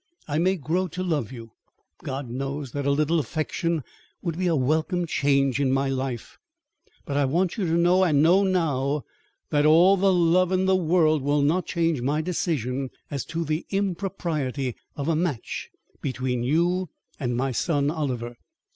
I may grow to love you God knows that a little affection would be a welcome change in my life but I want you to know and know now, that all the love in the world will not change my decision as to the impropriety of a match between you and my son Oliver.